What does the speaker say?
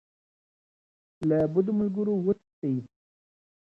له بدو ملګرو وتښتئ.